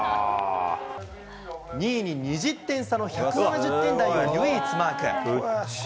２位に２０点差の１７０点台を唯一マーク。